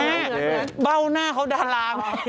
แม่แม่เบาหน้าเขาดาลาง